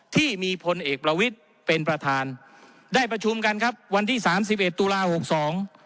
ที่มีพลเอกประวิทย์เป็นประธานได้ประชุมกันครับวันที่สามสิบเอ็ดตุลาหกสอง